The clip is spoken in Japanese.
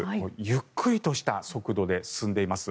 ゆっくりとした速度で進んでいます。